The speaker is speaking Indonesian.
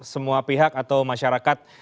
semua pihak atau masyarakat